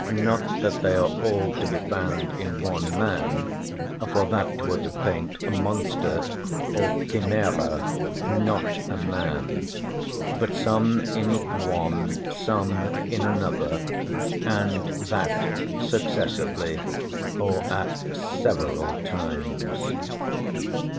Not that they are all to be found in one man, for that were to paint a Monster or Chimæra, not a man; but some in one, some in another, and that successively, or at several times.